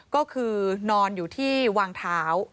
ก็คือนอนอยู่ที่วางเท้า